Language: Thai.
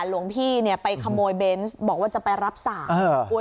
หลวงพี่ไปขโมยเบนส์บอกว่าจะไปรับสาร